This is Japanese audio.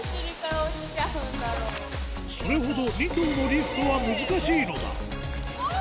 それほど２頭のリフトは難しいのだうわぁ！